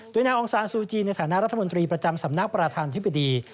โดยนางองซานซูจีในฐานะรัฐมนตรีประจำสำนักประธานธิบดี